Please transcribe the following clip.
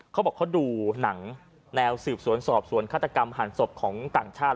เขาบอกเขาดูหนังแนวสืบสวนสอบสวนฆาตกรรมหันศพของต่างชาติ